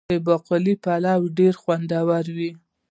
د باقلي پلو ډیر خوندور وي.